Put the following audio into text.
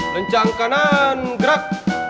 rencang kanan gerak